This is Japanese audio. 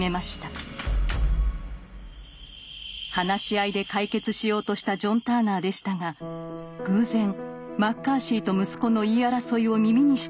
話し合いで解決しようとしたジョン・ターナーでしたが偶然マッカーシーと息子の言い争いを耳にしてしまいます。